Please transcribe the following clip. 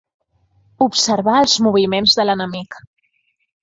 Observar els moviments de l'enemic.